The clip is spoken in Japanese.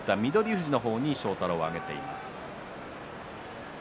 富士の方に庄太郎は上げています。